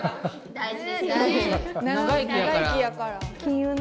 大事。